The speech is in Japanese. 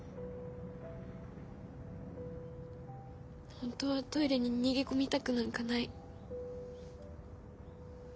ほんとはトイレに逃げ込みたくなんかない。